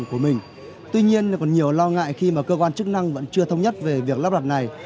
của mình tuy nhiên còn nhiều lo ngại khi mà cơ quan chức năng vẫn chưa thống nhất về việc lắp đặt này